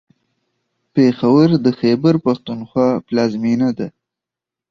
پېښور د خیبر پښتونخوا پلازمېنه ده.